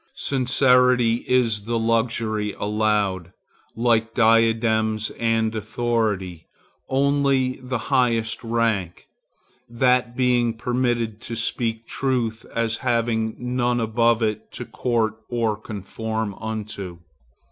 Sincerity is the luxury allowed, like diadems and authority, only to the highest rank; that being permitted to speak truth, as having none above it to court or conform unto.